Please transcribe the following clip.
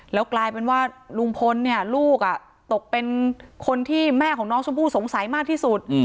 แล้วกลายเป็นว่าลุงพลเนี่ยลูกตกเป็นคนที่แม่ของน้องชมพู่สงสัยมากที่สุด